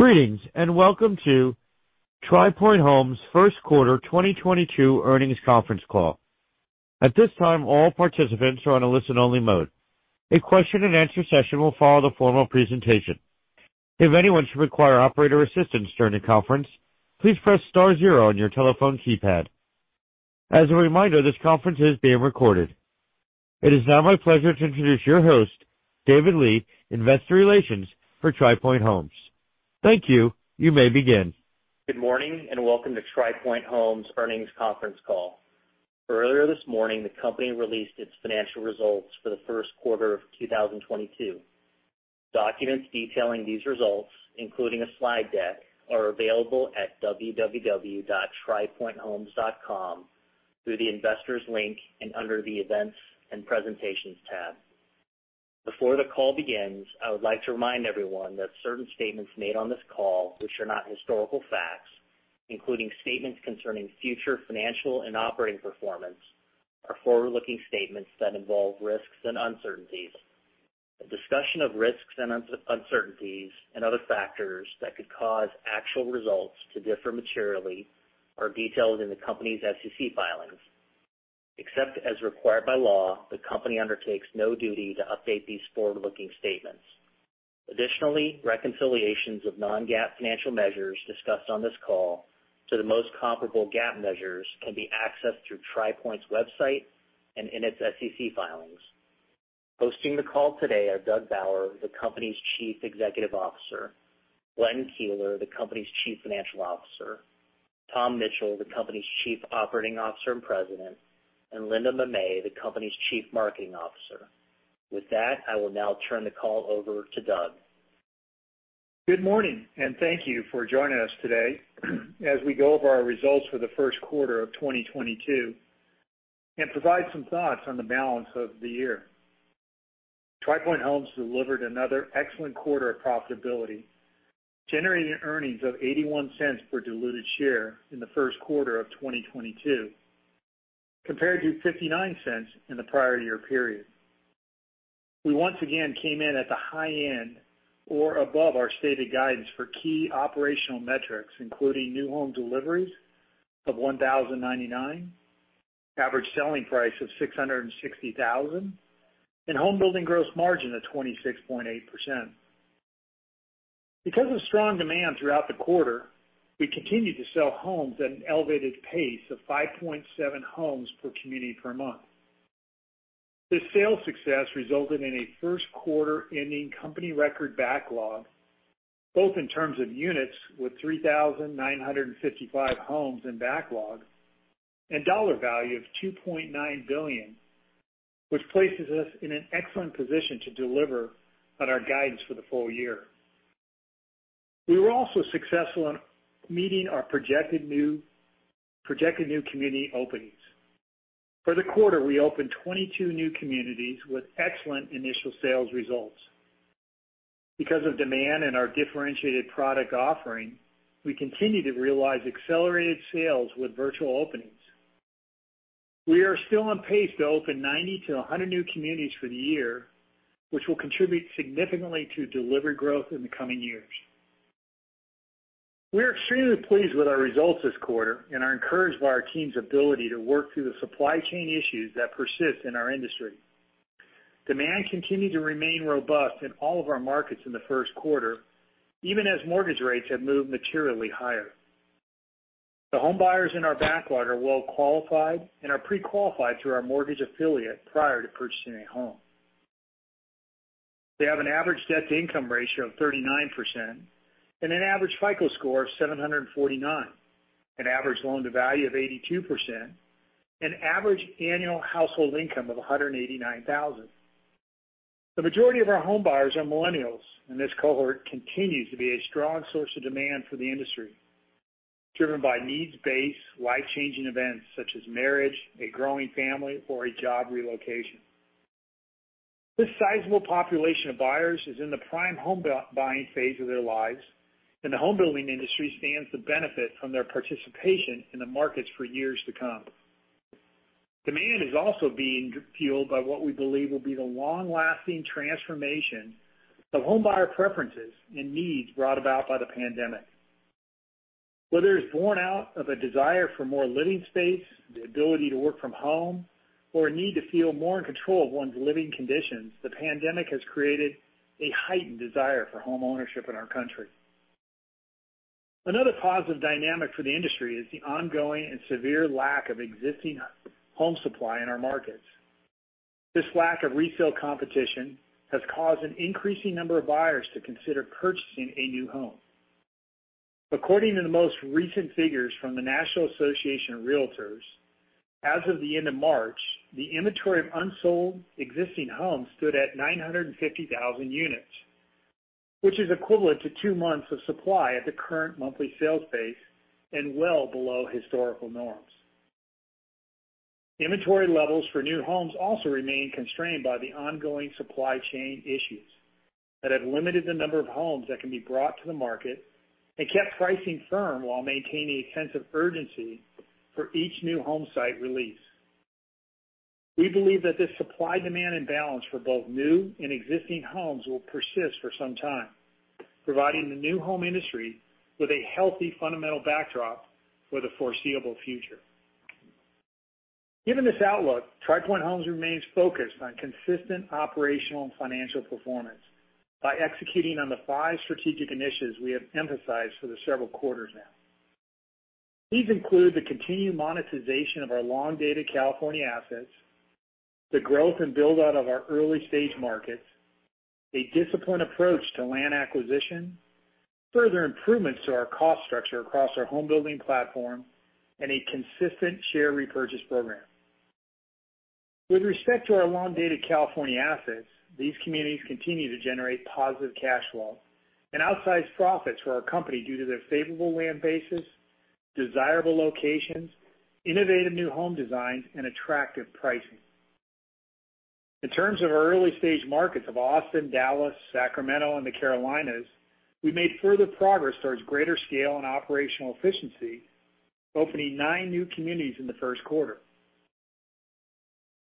Greetings, and welcome to Tri Pointe Homes' first quarter 2022 earnings conference call. At this time, all participants are on a listen-only mode. A question and answer session will follow the formal presentation. If anyone should require operator assistance during the conference, please press star zero on your telephone keypad. As a reminder, this conference is being recorded. It is now my pleasure to introduce your host, David Lee, Investor Relations for Tri Pointe Homes. Thank you. You may begin. Good morning and welcome to Tri Pointe Homes' earnings conference call. Earlier this morning, the company released its financial results for the first quarter of 2022. Documents detailing these results, including a slide deck, are available at www.tripointehomes.com through the Investors link and under the Events and Presentations tab. Before the call begins, I would like to remind everyone that certain statements made on this call which are not historical facts, including statements concerning future financial and operating performance, are forward-looking statements that involve risks and uncertainties. A discussion of risks and uncertainties and other factors that could cause actual results to differ materially are detailed in the company's SEC filings. Except as required by law, the company undertakes no duty to update these forward-looking statements. Additionally, reconciliations of non-GAAP financial measures discussed on this call to the most comparable GAAP measures can be accessed through Tri Pointe's website and in its SEC filings. Hosting the call today are Doug Bauer, the company's Chief Executive Officer, Glenn Keeler, the company's Chief Financial Officer, Tom Mitchell, the company's Chief Operating Officer and President, and Linda Mamet, the company's Chief Marketing Officer. With that, I will now turn the call over to Doug. Good morning, and thank you for joining us today as we go over our results for the first quarter of 2022 and provide some thoughts on the balance of the year. Tri Pointe Homes delivered another excellent quarter of profitability, generating earnings of $0.81 per diluted share in the first quarter of 2022 compared to $0.59 in the prior year period. We once again came in at the high end or above our stated guidance for key operational metrics, including new home deliveries of 1,099, average selling price of $660,000, and home building gross margin of 26.8%. Because of strong demand throughout the quarter, we continued to sell homes at an elevated pace of 5.7 homes per community per month. This sales success resulted in a first-quarter ending company record backlog, both in terms of units with 3,955 homes in backlog and dollar value of $2.9 billion, which places us in an excellent position to deliver on our guidance for the full year. We were also successful in meeting our projected new community openings. For the quarter, we opened 22 new communities with excellent initial sales results. Because of demand and our differentiated product offering, we continue to realize accelerated sales with virtual openings. We are still on pace to open 90-100 new communities for the year, which will contribute significantly to delivery growth in the coming years. We are extremely pleased with our results this quarter and are encouraged by our team's ability to work through the supply chain issues that persist in our industry. Demand continued to remain robust in all of our markets in the first quarter, even as mortgage rates have moved materially higher. The home buyers in our backlog are well-qualified and are pre-qualified through our mortgage affiliate prior to purchasing a home. They have an average debt-to-income ratio of 39% and an average FICO score of 749, an average loan-to-value of 82%, and average annual household income of $189,000. The majority of our home buyers are millennials, and this cohort continues to be a strong source of demand for the industry, driven by needs-based, life-changing events such as marriage, a growing family, or a job relocation. This sizable population of buyers is in the prime home buying phase of their lives, and the home building industry stands to benefit from their participation in the markets for years to come. Demand is also being fueled by what we believe will be the long-lasting transformation of home buyer preferences and needs brought about by the pandemic. Whether it's born out of a desire for more living space, the ability to work from home, or a need to feel more in control of one's living conditions, the pandemic has created a heightened desire for homeownership in our country. Another positive dynamic for the industry is the ongoing and severe lack of existing home supply in our markets. This lack of resale competition has caused an increasing number of buyers to consider purchasing a new home. According to the most recent figures from the National Association of Realtors, as of the end of March, the inventory of unsold existing homes stood at 950,000 units, which is equivalent to two months of supply at the current monthly sales pace and well below historical norms. Inventory levels for new homes also remain constrained by the ongoing supply chain issues that have limited the number of homes that can be brought to the market and kept pricing firm while maintaining a sense of urgency for each new home site release. We believe that this supply-demand imbalance for both new and existing homes will persist for some time, providing the new home industry with a healthy fundamental backdrop for the foreseeable future. Given this outlook, Tri Pointe Homes remains focused on consistent operational and financial performance by executing on the five strategic initiatives we have emphasized for the several quarters now. These include the continued monetization of our long-dated California assets, the growth and build-out of our early-stage markets, a disciplined approach to land acquisition, further improvements to our cost structure across our home building platform, and a consistent share repurchase program. With respect to our long-dated California assets, these communities continue to generate positive cash flow and outsized profits for our company due to their favorable land basis, desirable locations, innovative new home designs, and attractive pricing. In terms of our early-stage markets of Austin, Dallas, Sacramento, and the Carolinas, we made further progress towards greater scale and operational efficiency, opening nine new communities in the first quarter.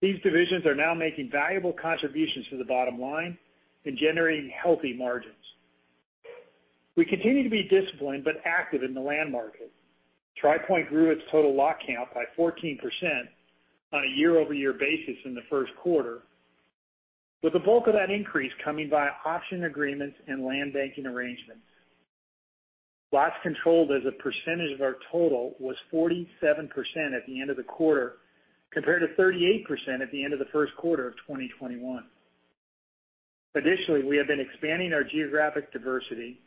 These divisions are now making valuable contributions to the bottom line and generating healthy margins. We continue to be disciplined but active in the land market. Tri Pointe grew its total lot count by 14% on a year-over-year basis in the first quarter, with the bulk of that increase coming via option agreements and land banking arrangements. Lots controlled as a percentage of our total was 47% at the end of the quarter, compared to 38% at the end of the first quarter of 2021. Additionally, we have been expanding our geographic diversity,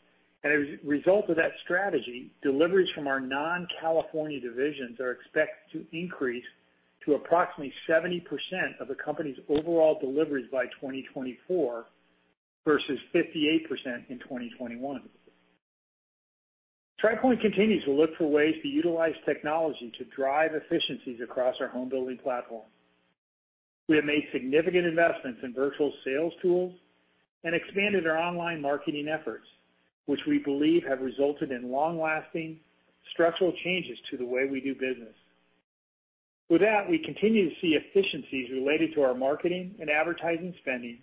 and as a result of that strategy, deliveries from our non-California divisions are expected to increase to approximately 70% of the company's overall deliveries by 2024 versus 58% in 2021. Tri Pointe continues to look for ways to utilize technology to drive efficiencies across our home building platform. We have made significant investments in virtual sales tools and expanded our online marketing efforts, which we believe have resulted in long-lasting structural changes to the way we do business. With that, we continue to see efficiencies related to our marketing and advertising spending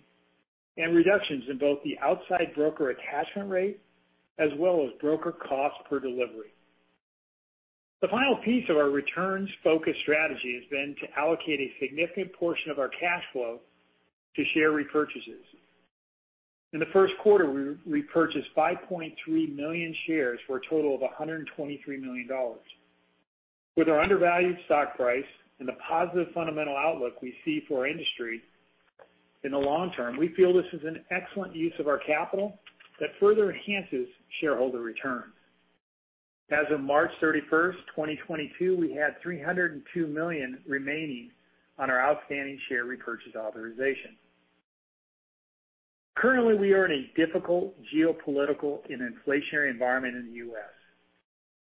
and reductions in both the outside broker attachment rate as well as broker cost per delivery. The final piece of our returns-focused strategy has been to allocate a significant portion of our cash flow to share repurchases. In the first quarter, we repurchased 5.3 million shares for a total of $123 million. With our undervalued stock price and the positive fundamental outlook we see for our industry in the long term, we feel this is an excellent use of our capital that further enhances shareholder returns. As of March 31st, 2022, we had $302 million remaining on our outstanding share repurchase authorization. Currently, we are in a difficult geopolitical and inflationary environment in the U.S.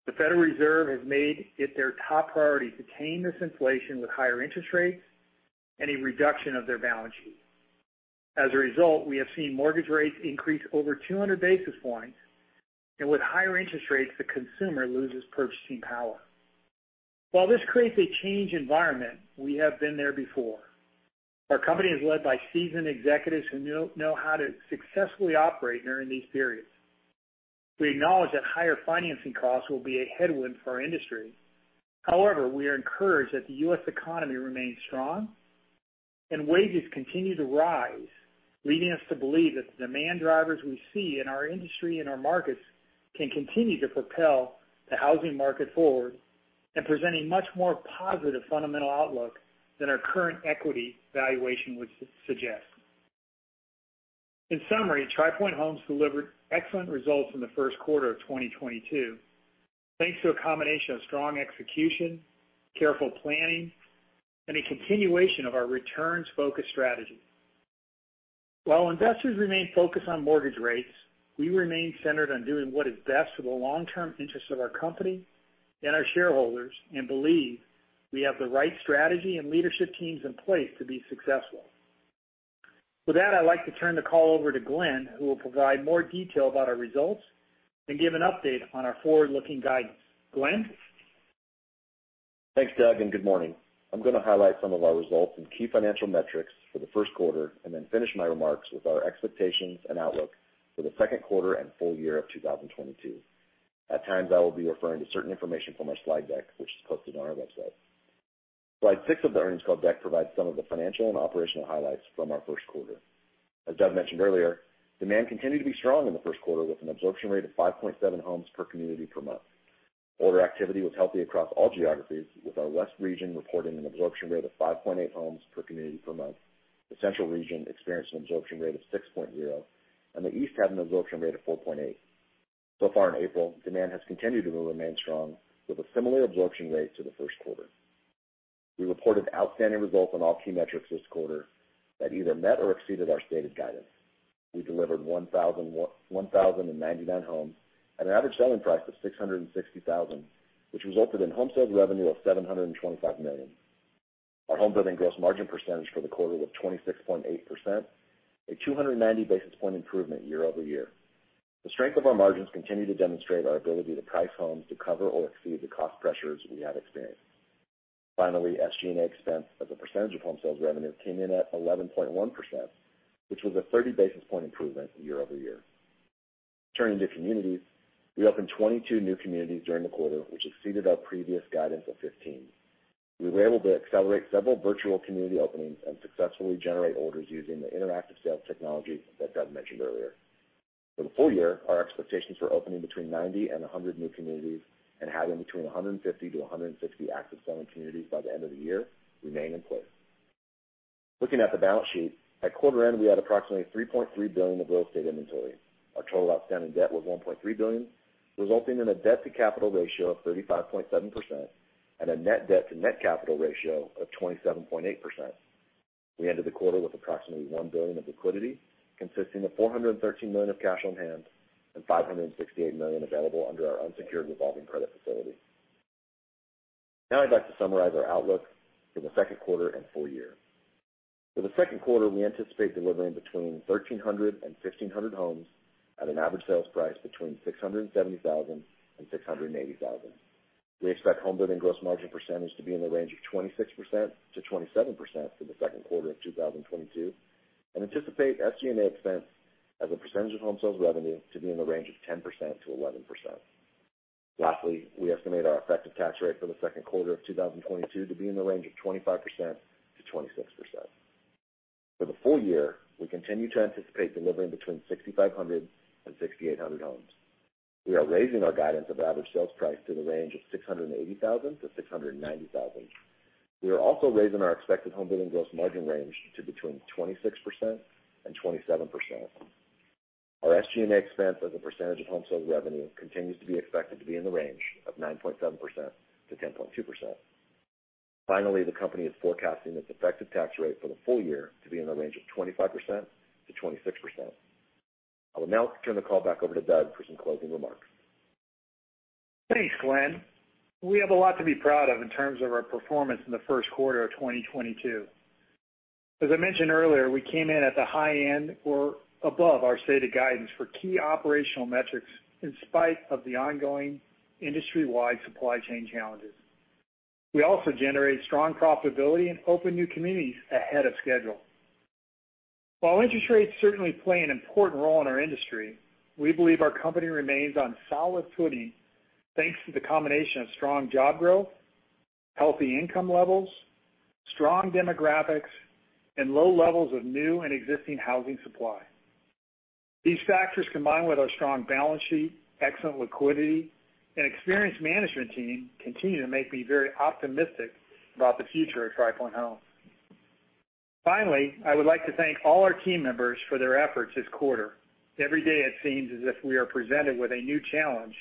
The Federal Reserve has made it their top priority to tame this inflation with higher interest rates and a reduction of their balance sheet. As a result, we have seen mortgage rates increase over 200 basis points, and with higher interest rates, the consumer loses purchasing power. While this creates a challenging environment, we have been there before. Our company is led by seasoned executives who know how to successfully operate during these periods. We acknowledge that higher financing costs will be a headwind for our industry. However, we are encouraged that the U.S. economy remains strong and wages continue to rise, leading us to believe that the demand drivers we see in our industry and our markets can continue to propel the housing market forward and present a much more positive fundamental outlook than our current equity valuation would suggest. In summary, Tri Pointe Homes delivered excellent results in the first quarter of 2022, thanks to a combination of strong execution, careful planning, and a continuation of our returns-focused strategy. While investors remain focused on mortgage rates, we remain centered on doing what is best for the long-term interests of our company and our shareholders and believe we have the right strategy and leadership teams in place to be successful. With that, I'd like to turn the call over to Glenn, who will provide more detail about our results and give an update on our forward-looking guidance. Glenn? Thanks, Doug, and good morning. I'm going to highlight some of our results and key financial metrics for the first quarter and then finish my remarks with our expectations and outlook for the second quarter and full year of 2022. At times, I will be referring to certain information from our slide deck, which is posted on our website. Slide 6 of the earnings call deck provides some of the financial and operational highlights from our first quarter. As Doug mentioned earlier, demand continued to be strong in the first quarter, with an absorption rate of 5.7 homes per community per month. Order activity was healthy across all geographies, with our west region reporting an absorption rate of 5.8 homes per community per month. The central region experienced an absorption rate of 6.0, and the east had an absorption rate of 4.8. So far in April, demand has continued to remain strong, with a similar absorption rate to the first quarter. We reported outstanding results on all key metrics this quarter that either met or exceeded our stated guidance. We delivered 1,099 homes at an average selling price of $660,000, which resulted in home sales revenue of $725 million. Our homebuilding gross margin percentage for the quarter was 26.8%, a 290 basis point improvement year-over-year. The strength of our margins continue to demonstrate our ability to price homes to cover or exceed the cost pressures we have experienced. Finally, SG&A expense as a percentage of home sales revenue came in at 11.1%, which was a 30 basis point improvement year-over-year. Turning to communities, we opened 22 new communities during the quarter, which exceeded our previous guidance of 15. We were able to accelerate several virtual community openings and successfully generate orders using the interactive sales technology that Doug mentioned earlier. For the full year, our expectations for opening between 90 and 100 new communities and having between 150 and 160 active selling communities by the end of the year remain in place. Looking at the balance sheet, at quarter end we had approximately $3.3 billion of real estate inventory. Our total outstanding debt was $1.3 billion, resulting in a debt-to-capital ratio of 35.7% and a net debt to net capital ratio of 27.8%. We ended the quarter with approximately $1 billion of liquidity, consisting of $413 million of cash on hand and $568 million available under our unsecured revolving credit facility. Now I'd like to summarize our outlook for the second quarter and full year. For the second quarter, we anticipate delivering between 1,300 and 1,500 homes at an average sales price between $670,000 and $680,000. We expect homebuilding gross margin percentage to be in the range of 26%-27% for the second quarter of 2022, and anticipate SG&A expense as a percentage of home sales revenue to be in the range of 10%-11%. Lastly, we estimate our effective tax rate for the second quarter of 2022 to be in the range of 25%-26%. For the full year, we continue to anticipate delivering between 6,500 and 6,800 homes. We are raising our guidance of average sales price to the range of $680,000-$690,000. We are also raising our expected homebuilding gross margin range to between 26% and 27%. Our SG&A expense as a percentage of home sold revenue continues to be expected to be in the range of 9.7%-10.2%. Finally, the company is forecasting its effective tax rate for the full year to be in the range of 25%-26%. I will now turn the call back over to Doug for some closing remarks. Thanks, Glenn. We have a lot to be proud of in terms of our performance in the first quarter of 2022. As I mentioned earlier, we came in at the high end or above our stated guidance for key operational metrics in spite of the ongoing industry-wide supply chain challenges. We also generated strong profitability and opened new communities ahead of schedule. While interest rates certainly play an important role in our industry, we believe our company remains on solid footing thanks to the combination of strong job growth, healthy income levels, strong demographics, and low levels of new and existing housing supply. These factors, combined with our strong balance sheet, excellent liquidity and experienced management team, continue to make me very optimistic about the future of Tri Pointe Homes. Finally, I would like to thank all our team members for their efforts this quarter. Every day, it seems as if we are presented with a new challenge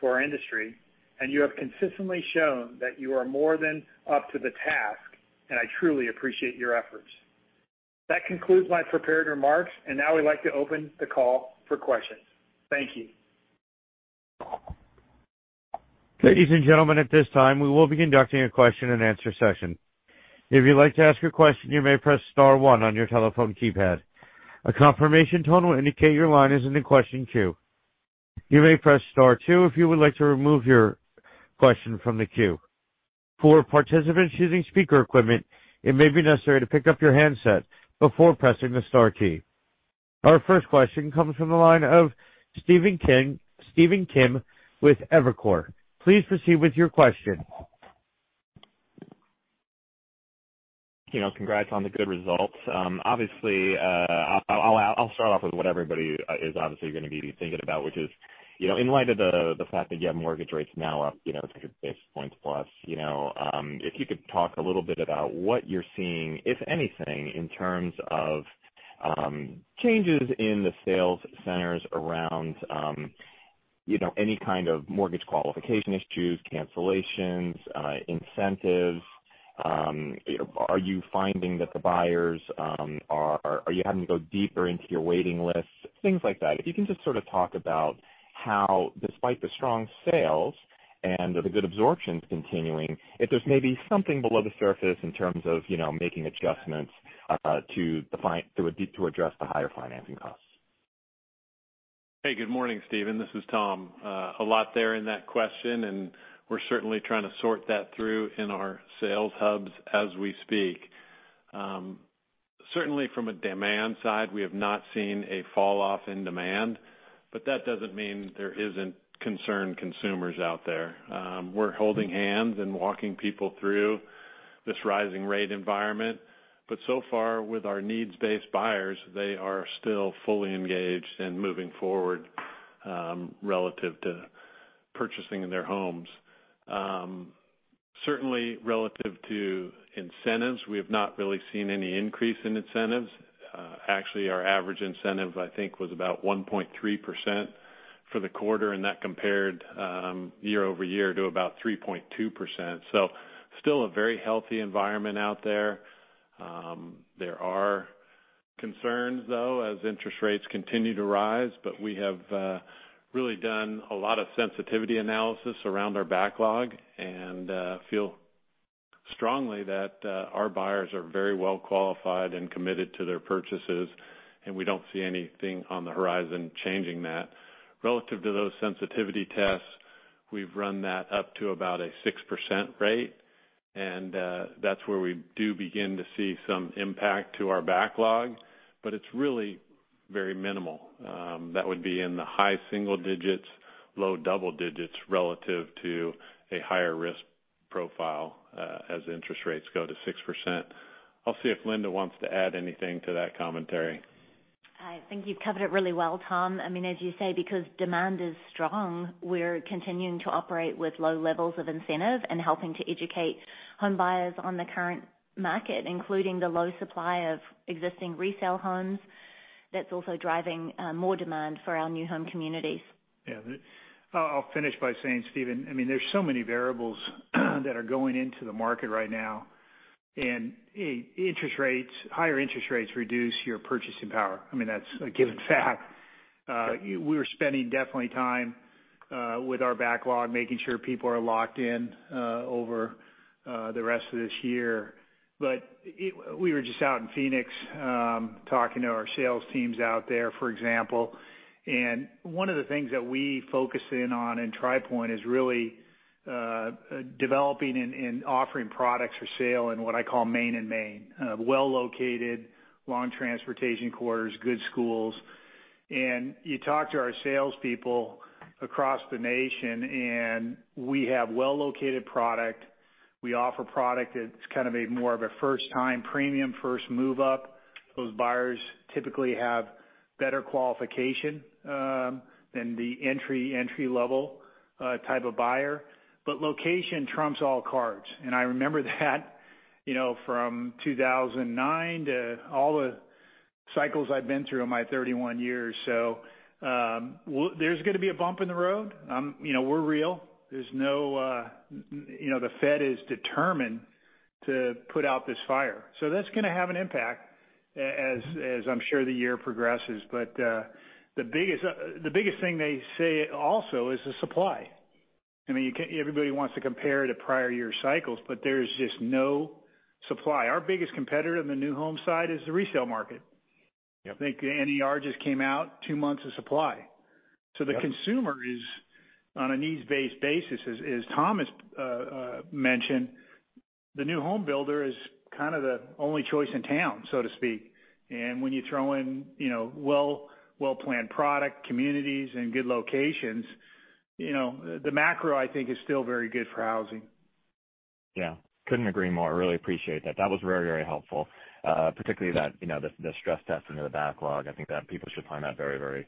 for our industry, and you have consistently shown that you are more than up to the task, and I truly appreciate your efforts. That concludes my prepared remarks, and now we'd like to open the call for questions. Thank you. Ladies and gentlemen, at this time, we will be conducting a question and answer session. If you'd like to ask a question, you may press star one on your telephone keypad. A confirmation tone will indicate your line is in the question queue. You may press star two if you would like to remove your question from the queue. For participants using speaker equipment, it may be necessary to pick up your handset before pressing the star key. Our first question comes from the line of Stephen Kim with Evercore. Please proceed with your question. You know, congrats on the good results. Obviously, I'll start off with what everybody is obviously gonna be thinking about, which is, you know, in light of the fact that you have mortgage rates now up, you know, 200 basis points plus, you know, if you could talk a little bit about what you're seeing, if anything, in terms of changes in the sales centers around, you know, any kind of mortgage qualification issues, cancellations, incentives. Are you finding that the buyers are. Are you having to go deeper into your waiting lists, things like that. If you can just sort of talk about how, despite the strong sales and the good absorptions continuing, if there's maybe something below the surface in terms of, you know, making adjustments to address the higher financing costs. Hey, good morning, Stephen. This is Tom. A lot there in that question, and we're certainly trying to sort that through in our sales hubs as we speak. Certainly from a demand side, we have not seen a fall off in demand, but that doesn't mean there isn't concerned consumers out there. We're holding hands and walking people through this rising rate environment, but so far with our needs-based buyers, they are still fully engaged and moving forward, relative to purchasing their homes. Certainly relative to incentives, we have not really seen any increase in incentives. Actually, our average incentive, I think, was about 1.3% for the quarter, and that compared year-over-year to about 3.2%. Still a very healthy environment out there. There are concerns, though, as interest rates continue to rise, but we have really done a lot of sensitivity analysis around our backlog and feel strongly that our buyers are very well qualified and committed to their purchases, and we don't see anything on the horizon changing that. Relative to those sensitivity tests, we've run that up to about a 6% rate, and that's where we do begin to see some impact to our backlog. It's really very minimal. That would be in the high single digits, low double digits relative to a higher risk profile, as interest rates go to 6%. I'll see if Linda wants to add anything to that commentary. I think you've covered it really well, Tom. I mean, as you say, because demand is strong, we're continuing to operate with low levels of incentive and helping to educate home buyers on the current market, including the low supply of existing resale homes that's also driving more demand for our new home communities. Yeah. I'll finish by saying, Stephen, I mean, there's so many variables that are going into the market right now. Interest rates, higher interest rates reduce your purchasing power. I mean, that's a given fact. We were definitely spending time with our backlog, making sure people are locked in over the rest of this year. We were just out in Phoenix, talking to our sales teams out there, for example, and one of the things that we focus in on in Tri Pointe is really developing and offering products for sale in what I call main and main. Well-located, long transportation corridors, good schools. You talk to our salespeople across the nation, and we have well-located product. We offer product that's kind of more of a first-time premium, first move-up. Those buyers typically have better qualification than the entry-level type of buyer. Location trumps all cards. I remember that, you know, from 2009 to all the cycles I've been through in my 31 years. There's gonna be a bump in the road. You know, we're real. You know, the Fed is determined to put out this fire. That's gonna have an impact as I'm sure the year progresses. The biggest thing they say also is the supply. I mean, everybody wants to compare to prior year cycles, but there's just no supply. Our biggest competitor on the new home side is the resale market. Yep. I think NAR just came out two months of supply. The consumer is on a needs-based basis. As Tom has mentioned, the new home builder is kind of the only choice in town, so to speak. When you throw in, you know, well-planned product, communities, and good locations, you know, the macro, I think, is still very good for housing. Yeah. Couldn't agree more. Really appreciate that. That was very, very helpful, particularly that, you know, the stress test into the backlog. I think that people should find that very, very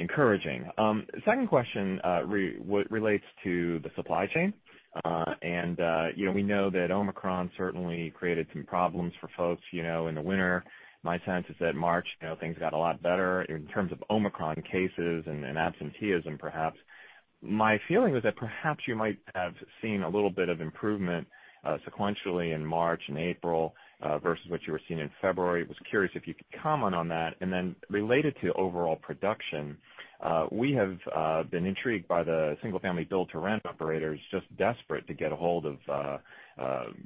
encouraging. Second question, what relates to the supply chain. You know, we know that Omicron certainly created some problems for folks, you know, in the winter. My sense is that March, you know, things got a lot better in terms of Omicron cases and absenteeism, perhaps. My feeling was that perhaps you might have seen a little bit of improvement sequentially in March and April versus what you were seeing in February. Was curious if you could comment on that. Related to overall production, we have been intrigued by the single-family build-to-rent operators just desperate to get a hold of,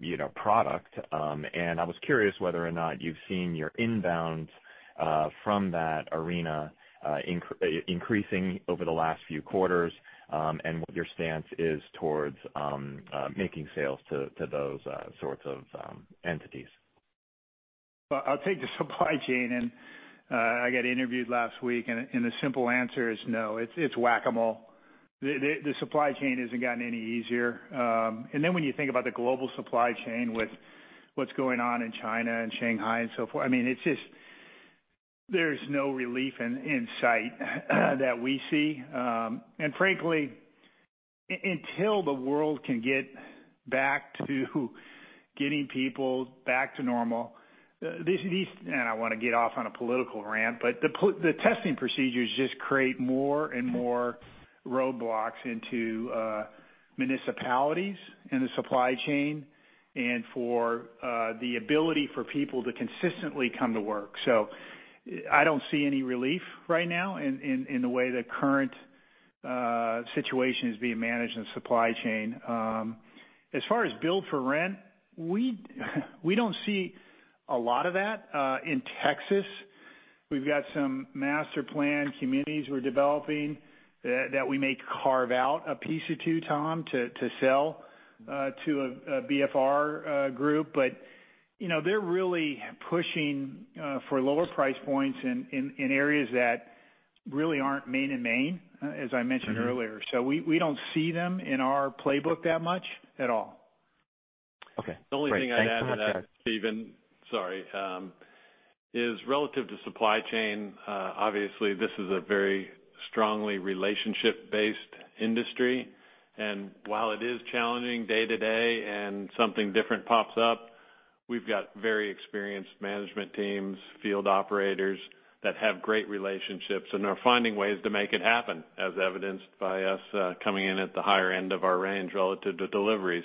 you know, product, and I was curious whether or not you've seen your inbounds from that arena increasing over the last few quarters, and what your stance is towards making sales to those sorts of entities. Well, I'll take the supply chain and I got interviewed last week and the simple answer is no. It's Whac-A-Mole. The supply chain isn't gotten any easier. And then when you think about the global supply chain with what's going on in China and Shanghai and so forth, I mean, it's just. There's no relief in sight that we see. And frankly, until the world can get back to getting people back to normal, these. I don't wanna get off on a political rant, but the testing procedures just create more and more roadblocks into municipalities in the supply chain and for the ability for people to consistently come to work. I don't see any relief right now in the way the current situation is being managed in the supply chain. As far as build for rent, we don't see a lot of that. In Texas, we've got some master planned communities we're developing that we may carve out a piece or two, Tom, to sell to a BFR group. You know, they're really pushing for lower price points in areas that really aren't mainstream, as I mentioned earlier. We don't see them in our playbook that much at all. Okay. Great. Thanks so much. The only thing I'd add to that, Stephen, sorry, is relative to supply chain. Obviously this is a very strongly relationship-based industry. While it is challenging day-to-day and something different pops up, we've got very experienced management teams, field operators that have great relationships and are finding ways to make it happen, as evidenced by us coming in at the higher end of our range relative to delivery.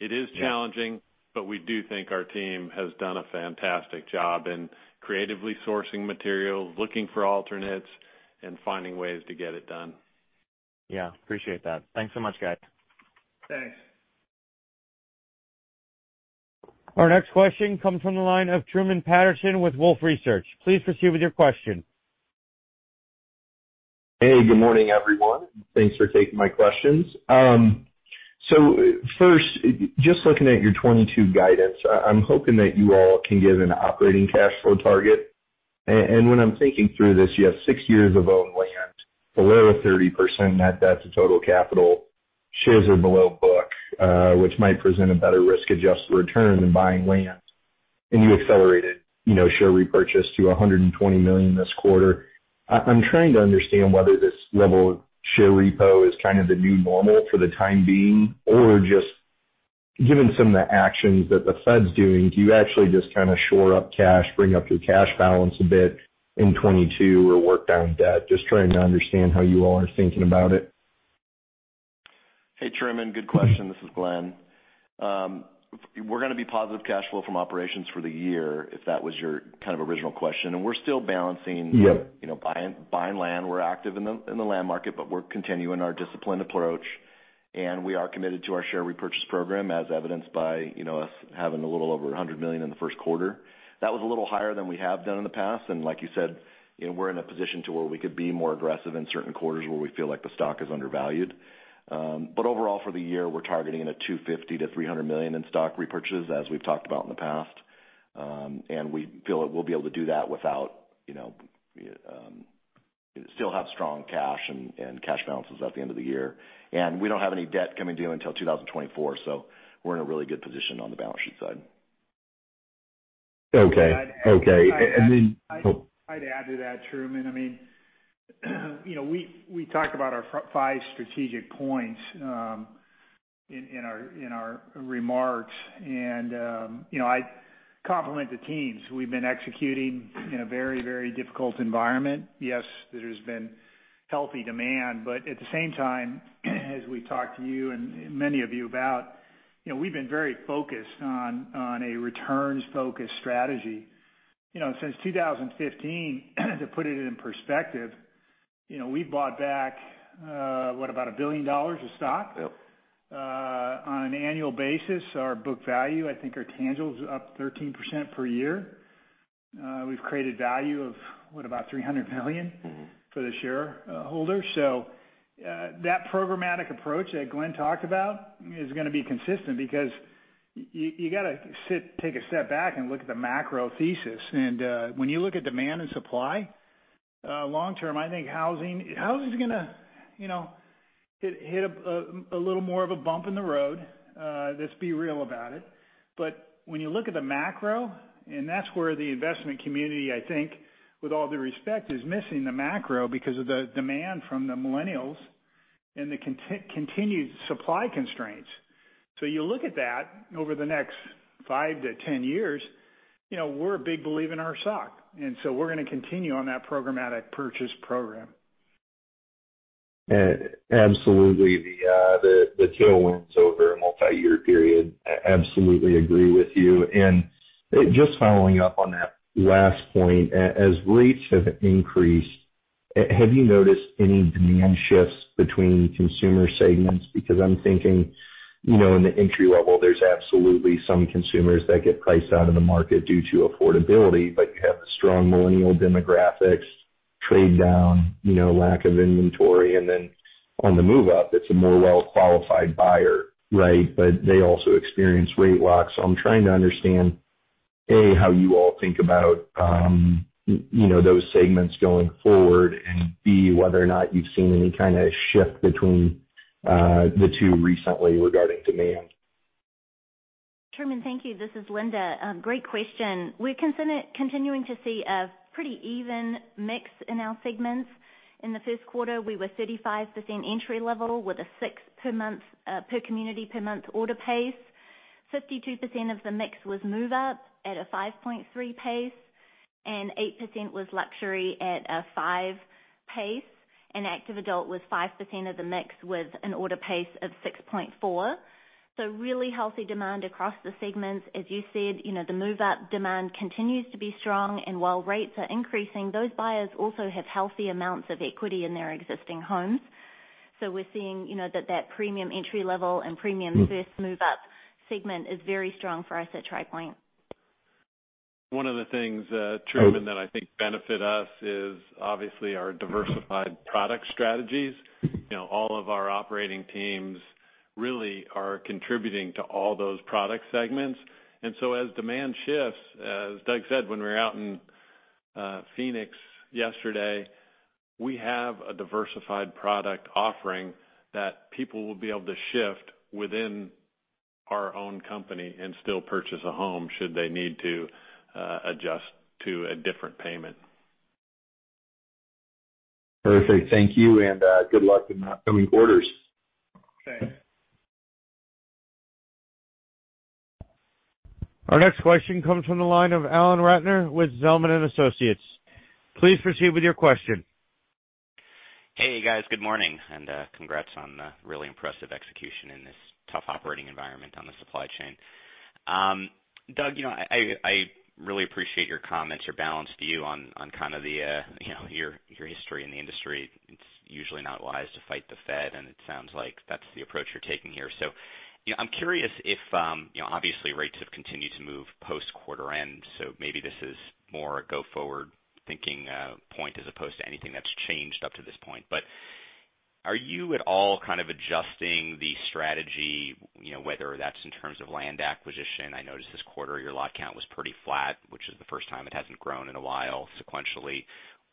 It is challenging, but we do think our team has done a fantastic job in creatively sourcing materials, looking for alternatives, and finding ways to get it done. Yeah, appreciate that. Thanks so much, guys. Thanks. Our next question comes from the line of Truman Patterson with Wolfe Research. Please proceed with your question. Hey, good morning, everyone. Thanks for taking my questions. First, just looking at your 2022 guidance, I'm hoping that you all can give an operating cash flow target. When I'm thinking through this, you have six years of owned land below 30% net debt to total capital. Shares are below book, which might present a better risk-adjusted return than buying land. You accelerated, you know, share repurchase to $120 million this quarter. I'm trying to understand whether this level of share repo is kind of the new normal for the time being, or just given some of the actions that the Fed's doing, do you actually just kind of shore up cash, bring up your cash balance a bit in 2022, or work down debt? Just trying to understand how you all are thinking about it. Hey, Truman. Good question. This is Glenn. We're gonna be positive cash flow from operations for the year, if that was your kind of original question. We're still balancing. Yep. You know, buying land. We're active in the land market, but we're continuing our disciplined approach, and we are committed to our share repurchase program, as evidenced by, you know, us having a little over $100 million in the first quarter. That was a little higher than we have done in the past. Like you said, you know, we're in a position to where we could be more aggressive in certain quarters where we feel like the stock is undervalued. But overall, for the year, we're targeting $250 million-$300 million in stock repurchases, as we've talked about in the past. We feel we'll be able to do that without, you know, still have strong cash and cash balances at the end of the year. We don't have any debt coming due until 2024, so we're in a really good position on the balance sheet side. Okay. I'd add to that, Truman. I mean, you know, we talk about our five strategic points in our remarks. You know, I compliment the teams. We've been executing in a very difficult environment. Yes, there's been healthy demand, but at the same time, as we've talked to you and many of you about, you know, we've been very focused on a returns-focused strategy. You know, since 2015, to put it in perspective, you know, we've bought back what? About $1 billion of stock. Yep. On an annual basis, our book value, I think our tangible is up 13% per year. We've created value of, what? About $300 million for the shareholder. That programmatic approach that Glenn talked about is gonna be consistent because you gotta sit, take a step back and look at the macro thesis. When you look at demand and supply, long term, I think housing is gonna, you know, hit a little more of a bump in the road, let's be real about it. When you look at the macro, that's where the investment community, I think, with all due respect, is missing the macro because of the demand from the millennials and the continued supply constraints. You look at that over the next five to ten years, you know, we're a big believer in our stock, and so we're gonna continue on that programmatic purchase program. Absolutely. The tailwind's over a multiyear period. I absolutely agree with you. Just following up on that last point, as rates have increased, have you noticed any demand shifts between consumer segments? Because I'm thinking, you know, in the entry level, there's absolutely some consumers that get priced out of the market due to affordability. You have the strong millennial demographics trade down, you know, lack of inventory. On the move up, it's a more well-qualified buyer, right? They also experience rate lock. I'm trying to understand, A, how you all think about, you know, those segments going forward, and B, whether or not you've seen any kind of shift between the two recently regarding demand. Truman, thank you. This is Linda. Great question. We're continuing to see a pretty even mix in our segments. In the first quarter, we were 35% entry level with a 6 per month per community per month order pace. 52% of the mix was move up at a 5.3 pace, and 8% was luxury at a five pace, and active adult was 5% of the mix with an order pace of 6.4. Really healthy demand across the segments. As you said, you know, the move-up demand continues to be strong, and while rates are increasing, those buyers also have healthy amounts of equity in their existing homes. We're seeing, you know, that premium entry level and premium first move-up segment is very strong for us at Tri Pointe. One of the things, Truman, that I think benefit us is obviously our diversified product strategies. You know, all of our operating teams really are contributing to all those product segments. As demand shifts, as Doug said when we were out in Phoenix yesterday, we have a diversified product offering that people will be able to shift within our own company and still purchase a home, should they need to adjust to a different payment. Perfect. Thank you, and good luck in the upcoming quarters. Thanks. Our next question comes from the line of Alan Ratner with Zelman & Associates. Please proceed with your question. Hey, guys. Good morning, and congrats on the really impressive execution in this tough operating environment on the supply chain. Doug, you know, I really appreciate your comments, your balanced view on kind of the, you know, your history in the industry. It's usually not wise to fight the Fed, and it sounds like that's the approach you're taking here. You know, I'm curious if, you know, obviously, rates have continued to move post quarter end, so maybe this is more a go-forward thinking point, as opposed to anything that's changed up to this point. Are you at all kind of adjusting the strategy, you know, whether that's in terms of land acquisition? I noticed this quarter your lot count was pretty flat, which is the first time it hasn't grown in a while sequentially.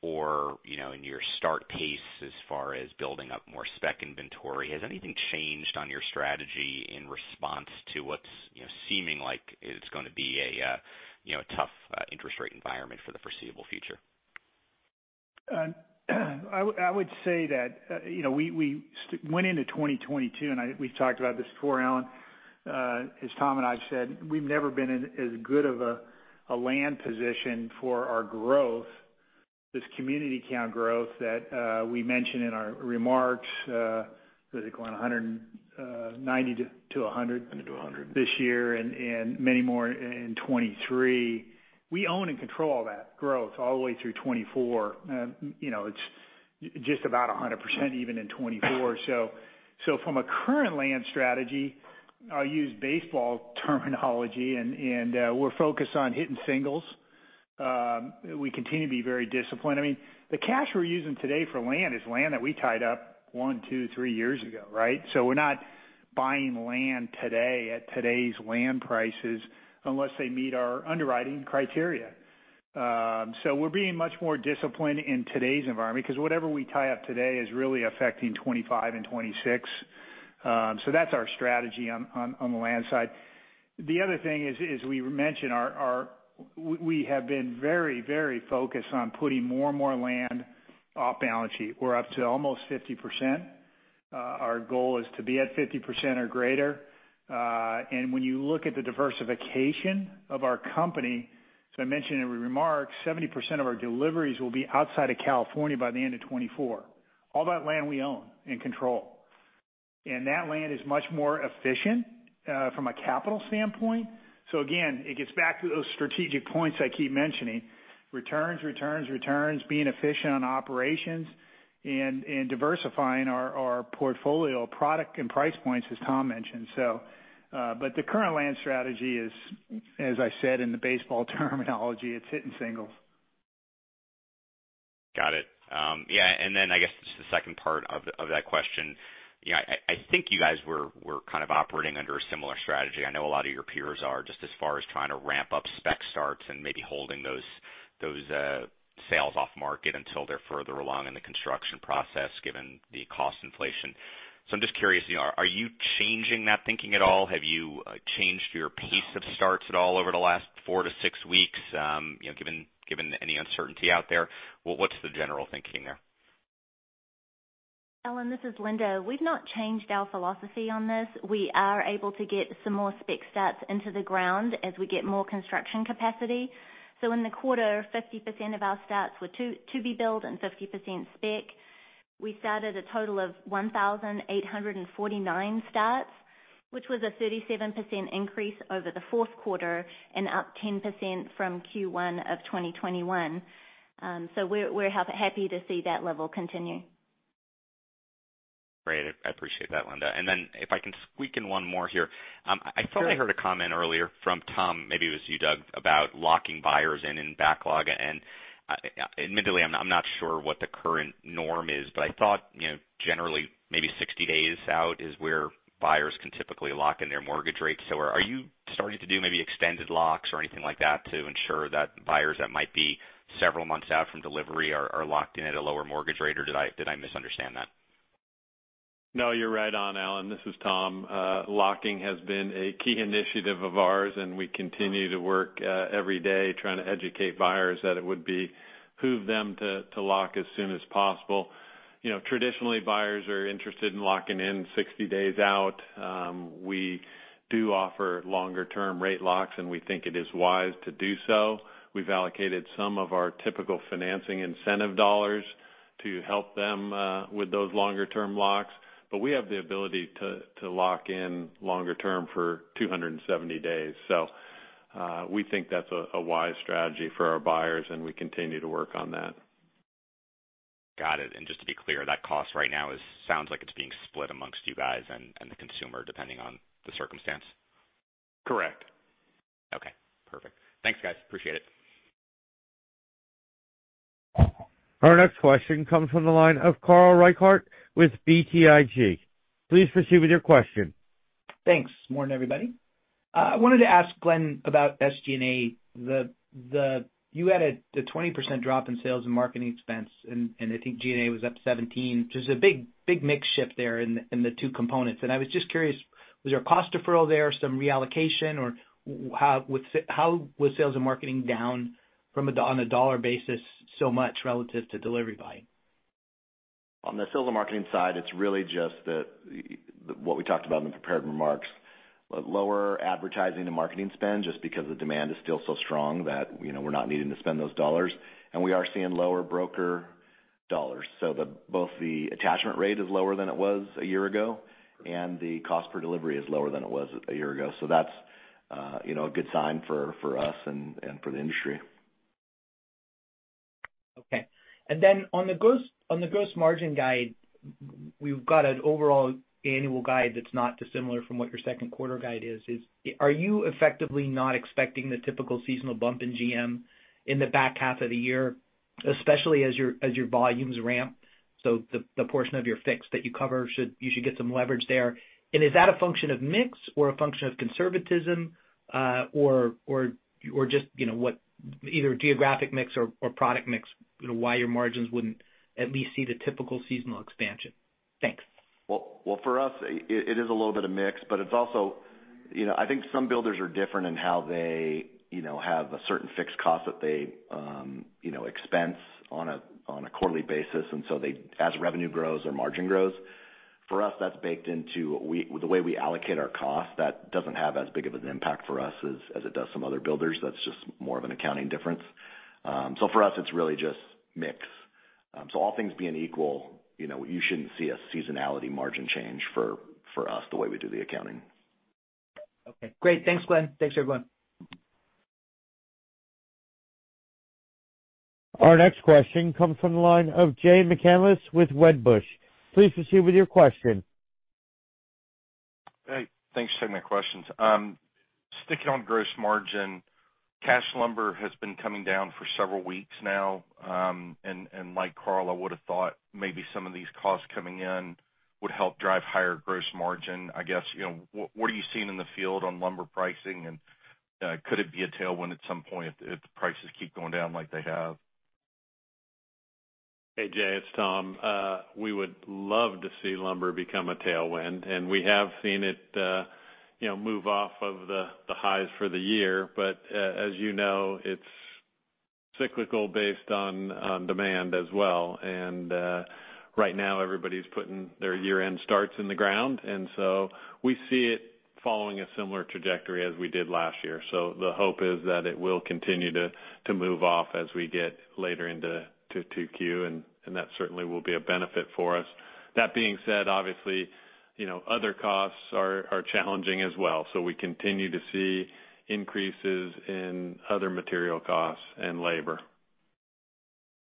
You know, in your start pace as far as building up more spec inventory, has anything changed on your strategy in response to what's, you know, seeming like it's gonna be a, you know, tough, interest rate environment for the foreseeable future? I would say that, you know, we went into 2022, and we've talked about this before, Alan. As Tom and I've said, we've never been in as good of a land position for our growth, this community count growth that we mentioned in our remarks. Was it going 190 to 100. Going to do 100. This year and many more in 2023. We own and control all that growth all the way through 2024. You know, it's just about 100% even in 2024. From a current land strategy, I'll use baseball terminology and we're focused on hitting singles. We continue to be very disciplined. I mean, the cash we're using today for land is land that we tied up one, two, three years ago, right? We're not buying land today at today's land prices unless they meet our underwriting criteria. We're being much more disciplined in today's environment because whatever we tie up today is really affecting 2025 and 2026. That's our strategy on the land side. The other thing is we mentioned our. We have been very, very focused on putting more and more land off balance sheet. We're up to almost 50%. Our goal is to be at 50% or greater. When you look at the diversification of our company, so I mentioned in the remarks, 70% of our deliveries will be outside of California by the end of 2024. All that land we own and control. That land is much more efficient from a capital standpoint. It gets back to those strategic points I keep mentioning. Returns, being efficient on operations and diversifying our portfolio product and price points, as Tom mentioned. The current land strategy is, as I said, in the baseball terminology, it's hitting singles. Got it. Yeah, and then I guess just the second part of that question. You know, I think you guys were kind of operating under a similar strategy. I know a lot of your peers are just as far as trying to ramp up spec starts and maybe holding those sales off market until they're further along in the construction process, given the cost inflation. So I'm just curious, you know, are you changing that thinking at all? Have you changed your pace of starts at all over the last four to six weeks, you know, given any uncertainty out there? What's the general thinking there? Alan, this is Linda. We've not changed our philosophy on this. We are able to get some more spec starts into the ground as we get more construction capacity. In the quarter, 50% of our starts were to be built and 50% spec. We started a total of 1,849 starts, which was a 37% increase over the fourth quarter and up 10% from Q1 of 2021. We're happy to see that level continue. Great. I appreciate that, Linda. If I can squeak in one more here. I thought I heard a comment earlier from Tom, maybe it was you, Doug, about locking buyers in backlog. Admittedly, I'm not sure what the current norm is, but I thought, you know, generally maybe 60 days out is where buyers can typically lock in their mortgage rates. Are you starting to do maybe extended locks or anything like that to ensure that buyers that might be several months out from delivery are locked in at a lower mortgage rate, or did I misunderstand that? No, you're right on, Alan. This is Tom. Locking has been a key initiative of ours, and we continue to work every day trying to educate buyers that it would behoove them to lock as soon as possible. You know, traditionally, buyers are interested in locking in 60 days out. We do offer longer-term rate locks, and we think it is wise to do so. We've allocated some of our typical financing incentive dollars to help them with those longer-term locks. We have the ability to lock in longer term for 270 days. We think that's a wise strategy for our buyers, and we continue to work on that. Got it. Just to be clear, that cost right now sounds like it's being split amongst you guys and the consumer, depending on the circumstance. Correct. Okay, perfect. Thanks, guys. Appreciate it. Our next question comes from the line of Carl Reichardt with BTIG. Please proceed with your question. Thanks. Morning, everybody. I wanted to ask Glenn about SG&A. You had the 20% drop in sales and marketing expense, and I think G&A was up 17%, which is a big mix shift there in the two components. I was just curious, was there a cost deferral there, some reallocation, or how was sales and marketing down on a dollar basis so much relative to delivery volume? On the sales and marketing side, it's really just the, what we talked about in the prepared remarks, lower advertising and marketing spend, just because the demand is still so strong that, you know, we're not needing to spend those dollars. We are seeing lower broker dollars. Both the attachment rate is lower than it was a year ago, and the cost per delivery is lower than it was a year ago. That's, you know, a good sign for us and for the industry. Okay. Then on the gross margin guide, we've got an overall annual guide that's not dissimilar from what your second quarter guide is. Are you effectively not expecting the typical seasonal bump in GM in the back half of the year, especially as your volumes ramp? So the portion of your fixed that you cover you should get some leverage there. Is that a function of mix or a function of conservatism, or just, you know, what either geographic mix or product mix, you know, why your margins wouldn't at least see the typical seasonal expansion? Thanks. Well, for us, it is a little bit of mix, but it's also, you know, I think some builders are different in how they, you know, have a certain fixed cost that they, you know, expense on a quarterly basis as revenue grows or margin grows. For us, that's baked into the way we allocate our cost. That doesn't have as big of an impact for us as it does some other builders. That's just more of an accounting difference. For us, it's really just mix. All things being equal, you know, you shouldn't see a seasonality margin change for us, the way we do the accounting. Okay, great. Thanks, Glenn. Thanks, everyone. Our next question comes from the line of Jay McCanless with Wedbush. Please proceed with your question. Hey, thanks for taking my questions. Sticking on gross margin, cash lumber has been coming down for several weeks now, and like Carl, I would've thought maybe some of these costs coming in would help drive higher gross margin. I guess, you know, what are you seeing in the field on lumber pricing? Could it be a tailwind at some point if the prices keep going down like they have? Hey, Jay, it's Tom. We would love to see lumber become a tailwind, and we have seen it, you know, move off of the highs for the year. As you know, it's cyclical based on demand as well. Right now everybody's putting their year-end starts in the ground. We see it following a similar trajectory as we did last year. The hope is that it will continue to move off as we get later into 2Q and that certainly will be a benefit for us. That being said, obviously, you know, other costs are challenging as well. We continue to see increases in other material costs and labor.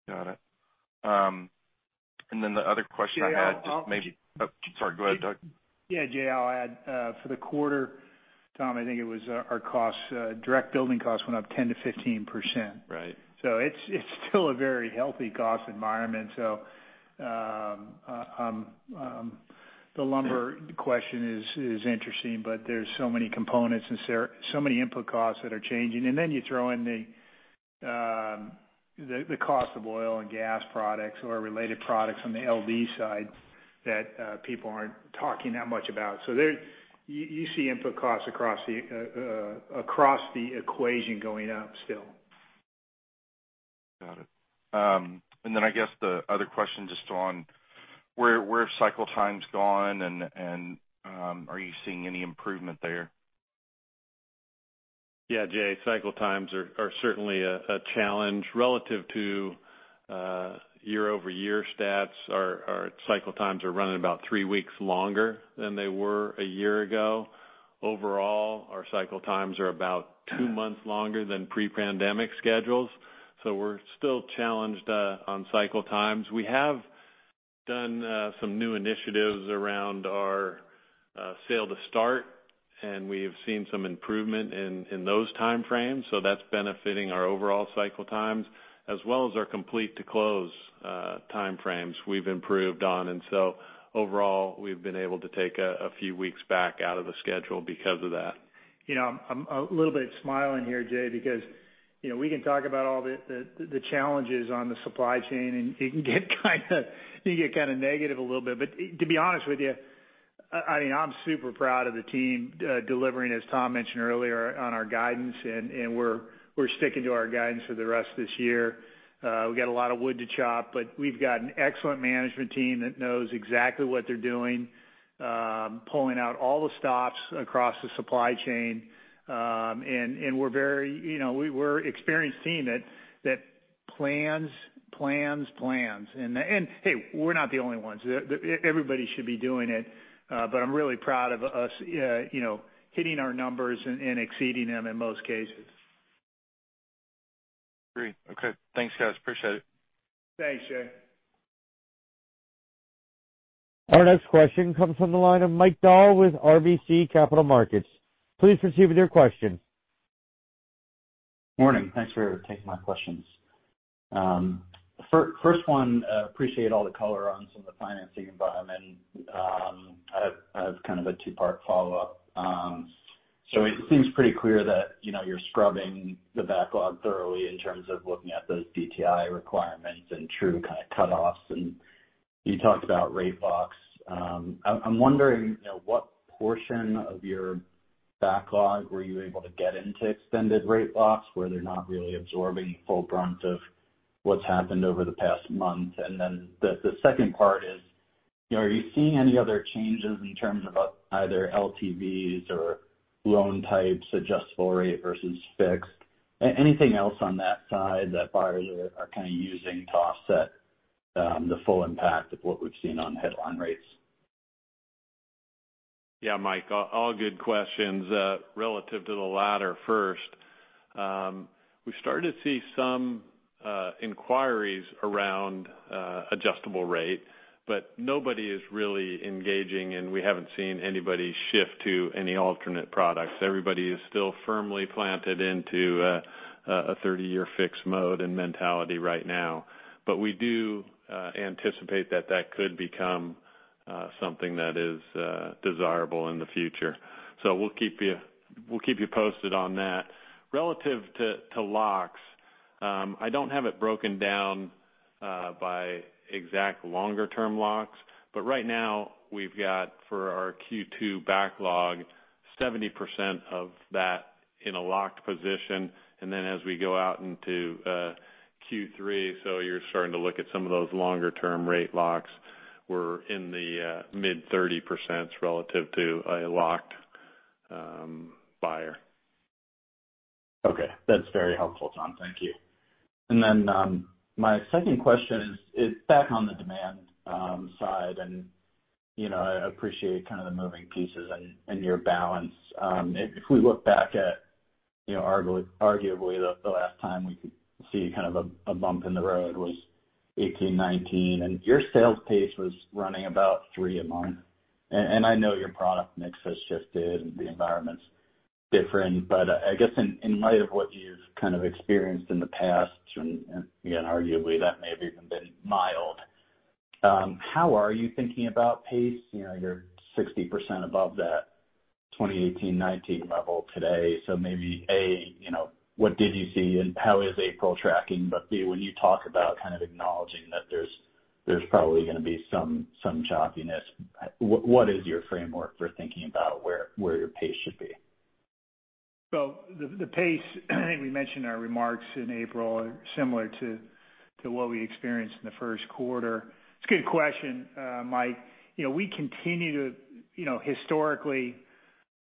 Got it. The other question I had. Oh, sorry. Go ahead, Doug. Yeah, Jay, I'll add, for the quarter, Tom, I think it was our costs, direct building costs went up 10%-15%. Right. It's still a very healthy cost environment. The lumber question is interesting, but there's so many components and there are so many input costs that are changing. Then you throw in the cost of oil and gas products or related products on the HVAC side that people aren't talking that much about. You see input costs across the equation going up still. Got it. I guess the other question just on where have cycle times gone and are you seeing any improvement there? Yeah, Jay, cycle times are certainly a challenge. Relative to year-over-year stats, our cycle times are running about three weeks longer than they were a year ago. Overall, our cycle times are about two months longer than pre-pandemic schedules. We're still challenged on cycle times. We have done some new initiatives around our sale to start, and we've seen some improvement in those timeframes, so that's benefiting our overall cycle times as well as our complete to close timeframes we've improved on. Overall, we've been able to take a few weeks back out of the schedule because of that. You know, I'm smiling here, Jay, because you know, we can talk about all the challenges on the supply chain, and it can get kind of negative a little bit. To be honest with you, I mean, I'm super proud of the team delivering, as Tom mentioned earlier, on our guidance, and we're sticking to our guidance for the rest of this year. We got a lot of wood to chop, but we've got an excellent management team that knows exactly what they're doing, pulling out all the stops across the supply chain. We're experiencing it, that plans, plans. Hey, we're not the only ones. Everybody should be doing it. I'm really proud of us, you know, hitting our numbers and exceeding them in most cases. Great. Okay. Thanks, guys. Appreciate it. Thanks, Jay. Our next question comes from the line of Mike Dahl with RBC Capital Markets. Please proceed with your question. Morning. Thanks for taking my questions. First one, I appreciate all the color on some of the financing environment. I have kind of a two-part follow-up. So it seems pretty clear that, you know, you're scrubbing the backlog thoroughly in terms of looking at those DTI requirements and true kind of cutoffs. You talked about rate locks. I'm wondering, you know, what portion of your backlog were you able to get into extended rate locks where they're not really absorbing the full brunt of what's happened over the past month? Then the second part is, are you seeing any other changes in terms of either LTVs or loan types, adjustable rate versus fixed? Anything else on that side that buyers are kind of using to offset the full impact of what we've seen on headline rates? Yeah, Mike, all good questions. Relative to the latter first, we started to see some inquiries around adjustable rate, but nobody is really engaging, and we haven't seen anybody shift to any alternate products. Everybody is still firmly planted into a 30 year fixed mode and mentality right now. We do anticipate that could become something that is desirable in the future. We'll keep you posted on that. Relative to locks, I don't have it broken down by exact longer term locks, but right now we've got for our Q2 backlog, 70% of that in a locked position. Then as we go out into Q3, so you're starting to look at some of those longer term rate locks, we're in the mid-30s% relative to a locked buyer. Okay. That's very helpful, Tom. Thank you. Then, my second question is back on the demand side, and you know, I appreciate kind of the moving pieces and your balance. If we look back at, you know, arguably the last time we could see kind of a bump in the road was 2018, 2019, and your sales pace was running about three a month. I know your product mix has shifted and the environment's different, but I guess in light of what you've kind of experienced in the past, and again, arguably that may have even been mild, how are you thinking about pace? You know, you're 60% above that 2018, 2019 level today, so maybe you know, what did you see and how is April tracking? But when you talk about kind of acknowledging that there's probably gonna be some choppiness, what is your framework for thinking about where your pace should be? The pace, I think we mentioned in our remarks in April, are similar to what we experienced in the first quarter. It's a good question, Mike. Historically,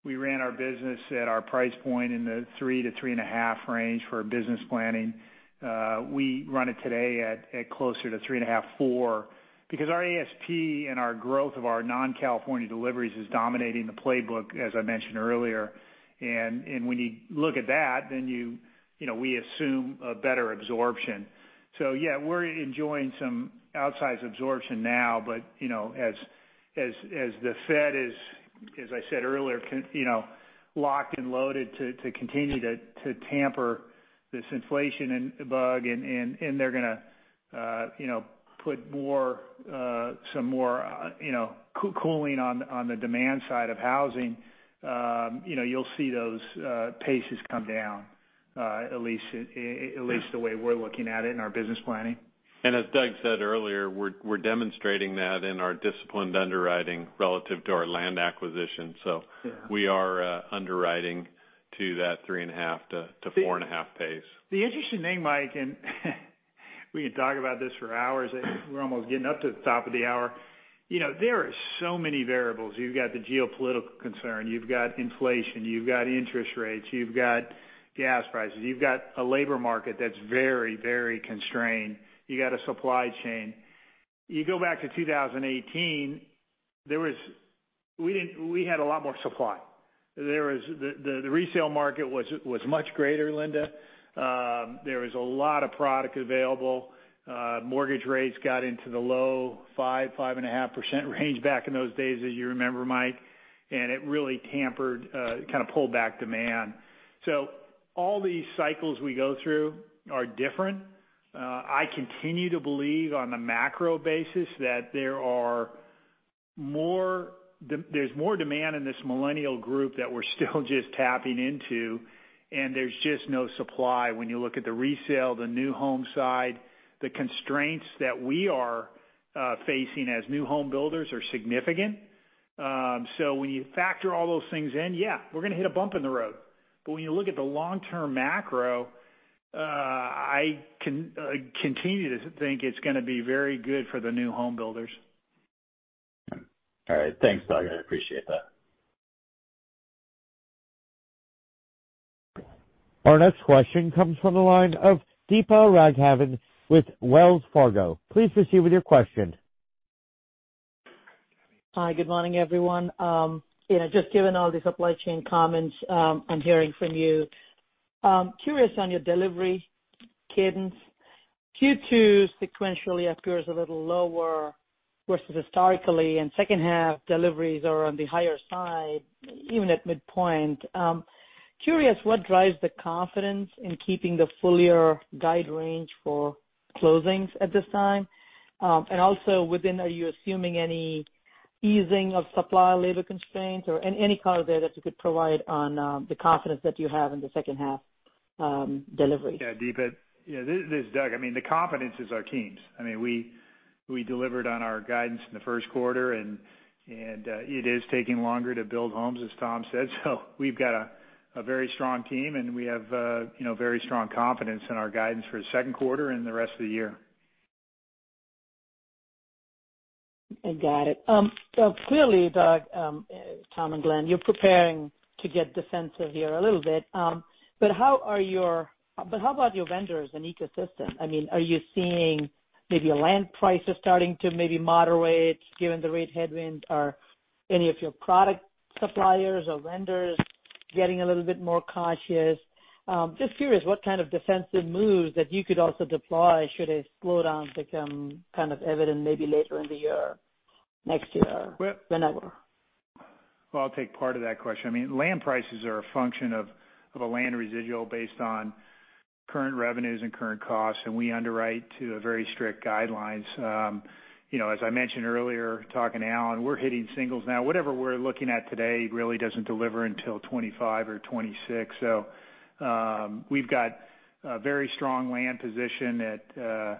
we ran our business at our price point in the 3-3.5 range for business planning. We run it today closer to 3.5-4 because our ASP and our growth of our non-California deliveries is dominating the playbook, as I mentioned earlier. When you look at that, we assume a better absorption. Yeah, we're enjoying some outsized absorption now, but, you know, as the Fed is, as I said earlier, locked and loaded to continue to tame this inflation bug, and they're gonna, you know, put some more, you know, cooling on the demand side of housing, you know, you'll see those paces come down, at least the way we're looking at it in our business planning. As Doug said earlier, we're demonstrating that in our disciplined underwriting relative to our land acquisition. We are underwriting to that 3.5-4.5 pace. The interesting thing, Mike, and we can talk about this for hours. We're almost getting up to the top of the hour. You know, there are so many variables. You've got the geopolitical concern, you've got inflation, you've got interest rates, you've got gas prices, you've got a labor market that's very constrained. You got a supply chain. You go back to 2018. We had a lot more supply. The resale market was much greater, Linda. There was a lot of product available. Mortgage rates got into the low 5%-5.5% range back in those days, as you remember, Mike. It really tempered, it kind of pulled back demand. All these cycles we go through are different. I continue to believe on a macro basis that there's more demand in this millennial group that we're still just tapping into, and there's just no supply when you look at the resale, the new home side. The constraints that we are facing as new home builders are significant. When you factor all those things in, yeah, we're gonna hit a bump in the road. When you look at the long-term macro, I continue to think it's gonna be very good for the new home builders. All right. Thanks, Doug. I appreciate that. Our next question comes from the line of Deepa Raghavan with Wells Fargo. Please proceed with your question. Hi, good morning, everyone. You know, just given all the supply chain comments I'm hearing from you, curious on your delivery cadence. Q2 sequentially appears a little lower versus historically, and second half deliveries are on the higher side, even at midpoint. Curious what drives the confidence in keeping the full year guide range for closings at this time? And also within, are you assuming any easing of supply or labor constraints or any color there that you could provide on the confidence that you have in the second half delivery? Yeah, Deepa. Yeah, this is Doug. I mean, the confidence is in our teams. I mean, we delivered on our guidance in the first quarter and it is taking longer to build homes, as Tom said. We've got a very strong team, and we have you know, very strong confidence in our guidance for the second quarter and the rest of the year. I got it. Clearly, Doug, Tom and Glenn, you're preparing to get defensive here a little bit. How about your vendors and ecosystem? I mean, are you seeing maybe land prices starting to maybe moderate given the rate headwinds? Are any of your product suppliers or vendors getting a little bit more cautious? Just curious what kind of defensive moves that you could also deploy should a slowdown become kind of evident maybe later in the year, next year, whenever. Well, I'll take part of that question. I mean, land prices are a function of a land residual based on current revenues and current costs, and we underwrite to very strict guidelines. You know, as I mentioned earlier, talking to Alan, we're hitting singles now. Whatever we're looking at today really doesn't deliver until 2025 or 2026. We've got a very strong land position at a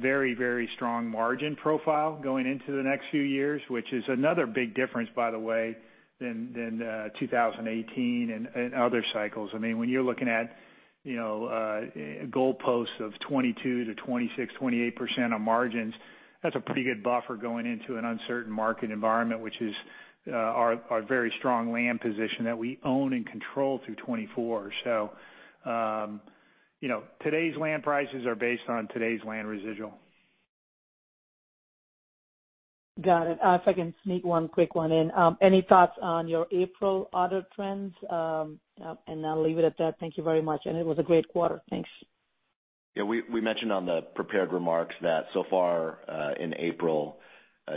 very, very strong margin profile going into the next few years, which is another big difference, by the way, than 2018 and other cycles. I mean, when you're looking at, you know, goalposts of 2022-2026, 28% on margins, that's a pretty good buffer going into an uncertain market environment, which is our very strong land position that we own and control through 2024. You know, today's land prices are based on today's land residual. Got it. If I can sneak one quick one in. Any thoughts on your April order trends? I'll leave it at that. Thank you very much, and it was a great quarter. Thanks. Yeah, we mentioned on the prepared remarks that so far in April,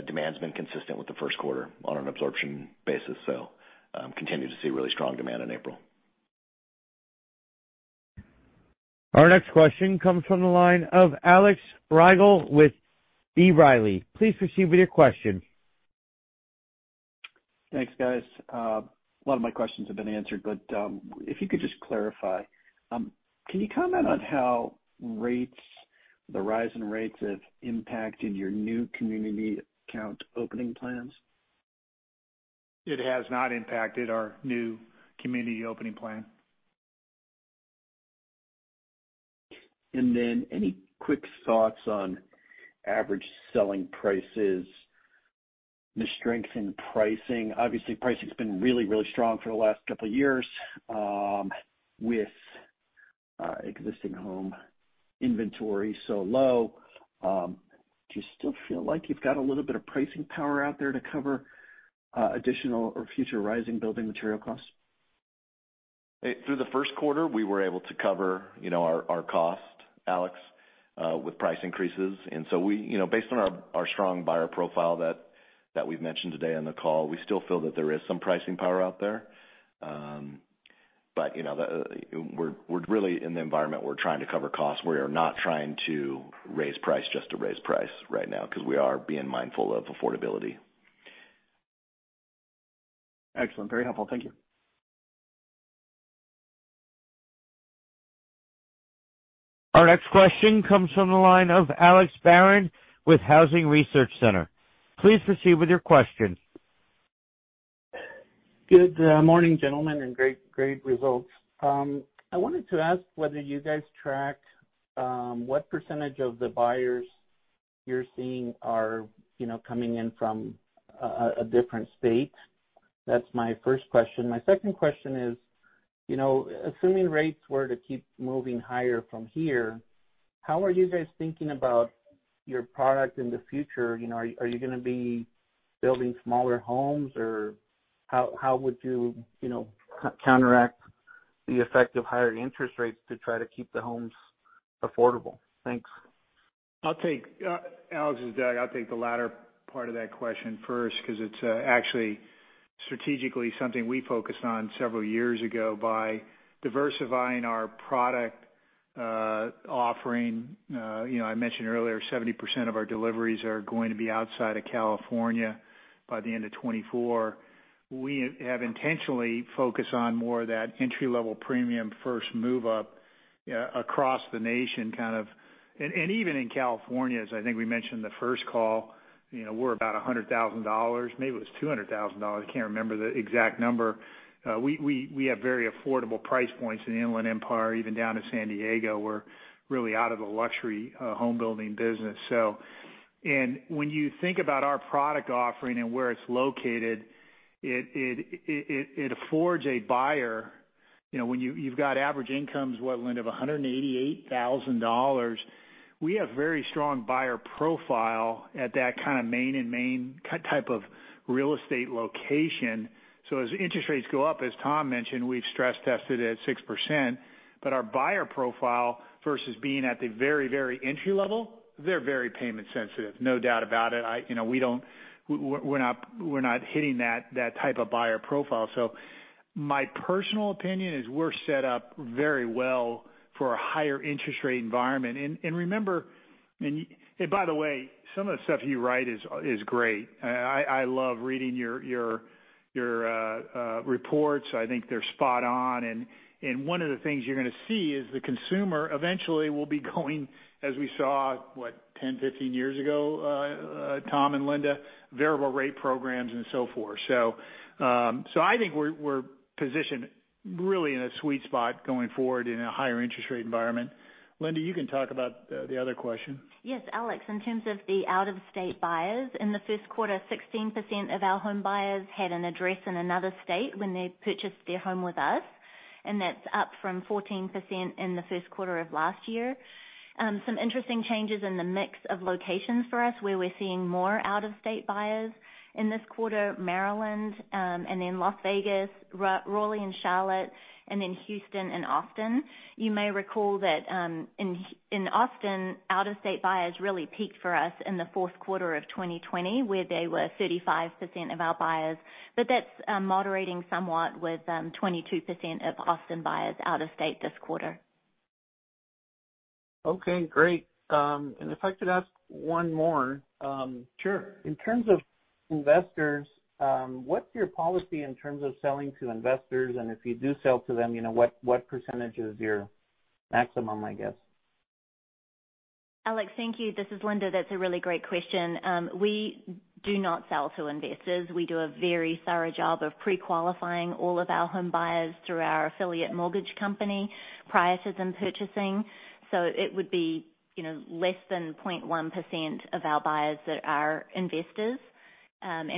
demand's been consistent with the first quarter on an absorption basis, so continue to see really strong demand in April. Our next question comes from the line of Alex Rygiel with B. Riley. Please proceed with your question. Thanks, guys. A lot of my questions have been answered, but if you could just clarify, can you comment on how rates, the rise in rates have impacted your new community count opening plans? It has not impacted our new community opening plan. Then any quick thoughts on average selling prices and the strength in pricing? Obviously, pricing's been really, really strong for the last couple years, with existing home inventory so low. Do you still feel like you've got a little bit of pricing power out there to cover additional or future rising building material costs? Through the first quarter, we were able to cover, you know, our cost, Alex, with price increases. We, you know, based on our strong buyer profile that we've mentioned today on the call, we still feel that there is some pricing power out there. You know, we're really in the environment, we're trying to cover costs. We are not trying to raise price just to raise price right now 'cause we are being mindful of affordability. Excellent. Very helpful. Thank you. Our next question comes from the line of Alex Barron with Housing Research Center. Please proceed with your question. Good morning, gentlemen, and great results. I wanted to ask whether you guys track what percentage of the buyers you're seeing are, you know, coming in from a different state? That's my first question. My second question is, you know, assuming rates were to keep moving higher from here, how are you guys thinking about your product in the future? You know, are you gonna be building smaller homes? Or how would you know, counteract the effect of higher interest rates to try to keep the homes affordable? Thanks. I'll take Alex, it's Doug. I'll take the latter part of that question first 'cause it's actually strategically something we focused on several years ago by diversifying our product offering. You know, I mentioned earlier, 70% of our deliveries are going to be outside of California by the end of 2024. We have intentionally focused on more of that entry-level premium first move up across the nation, kind of even in California, as I think we mentioned in the first call, you know, we're about $100,000. Maybe it was $200,000. I can't remember the exact number. We have very affordable price points in the Inland Empire, even down to San Diego. We're really out of the luxury home building business, so. When you think about our product offering and where it's located, it affords a buyer. You know, when you've got average incomes, Linda, of $188,000, we have very strong buyer profile at that kind of main and main type of real estate location. As interest rates go up, as Tom mentioned, we've stress tested at 6%, but our buyer profile versus being at the very entry level, they're very payment sensitive, no doubt about it. You know, we don't. We're not hitting that type of buyer profile. My personal opinion is we're set up very well for a higher interest rate environment. By the way, some of the stuff you write is great. I love reading your reports. I think they're spot on. And one of the things you're gonna see is the consumer eventually will be going, as we saw, what, 10-15 years ago, Tom and Linda, variable rate programs and so forth. I think we're positioned really in a sweet spot going forward in a higher interest rate environment. Linda, you can talk about the other question. Yes, Alex, in terms of the out-of-state buyers, in the first quarter, 16% of our home buyers had an address in another state when they purchased their home with us. That's up from 14% in the first quarter of last year. Some interesting changes in the mix of locations for us, where we're seeing more out-of-state buyers in this quarter, Maryland, and in Las Vegas, Raleigh and Charlotte, and in Houston and Austin. You may recall that, in Austin, out-of-state buyers really peaked for us in the fourth quarter of 2020, where they were 35% of our buyers. That's moderating somewhat with 22% of Austin buyers out-of-state this quarter. Okay, great. If I could ask one more. Sure. In terms of investors, what's your policy in terms of selling to investors? If you do sell to them, you know, what percentage is your maximum, I guess? Alex, thank you. This is Linda. That's a really great question. We do not sell to investors. We do a very thorough job of pre-qualifying all of our home buyers through our affiliate mortgage company prior to them purchasing. It would be, you know, less than 0.1% of our buyers that are investors.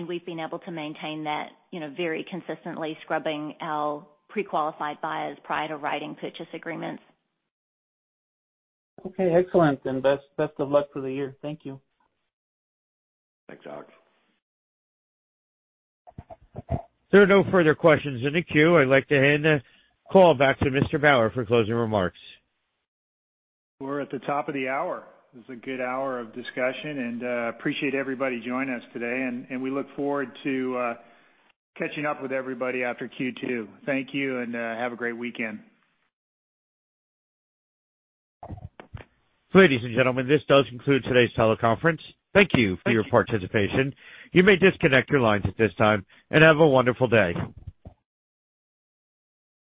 We've been able to maintain that, you know, very consistently, scrubbing our pre-qualified buyers prior to writing purchase agreements. Okay, excellent. Best of luck for the year. Thank you. Thanks, Alex. There are no further questions in the queue. I'd like to hand the call back to Mr. Bauer for closing remarks. We're at the top of the hour. It was a good hour of discussion and we appreciate everybody joining us today, and we look forward to catching up with everybody after Q2. Thank you, and have a great weekend. Ladies and gentlemen, this does conclude today's teleconference. Thank you for your participation. You may disconnect your lines at this time, and have a wonderful day.